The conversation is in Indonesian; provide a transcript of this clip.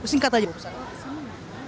singkat aja bu pesan